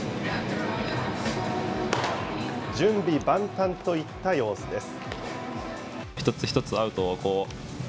準備万端といった様子です。